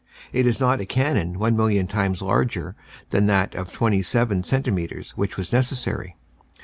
"It is not a cannon one million times larger than that of twenty seven centimetres, which was necessary.